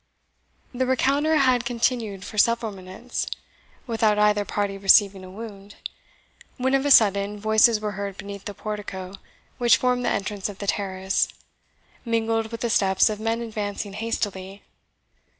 The rencontre had continued for several minutes, without either party receiving a wound, when of a sudden voices were heard beneath the portico which formed the entrance of the terrace, mingled with the steps of men advancing hastily.